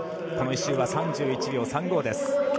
この１周は３１秒３５です。